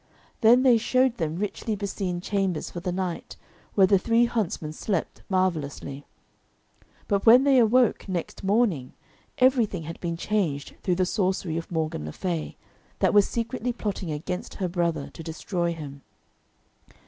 Then they showed them richly beseen chambers for the night, where the three huntsmen slept marvellously. But when they awoke next morning, everything had been changed through the sorcery of Morgan le Fay, that was secretly plotting against her brother, to destroy him.